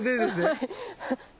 はい。